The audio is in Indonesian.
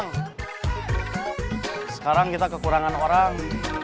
sekarang kita kekurangan orang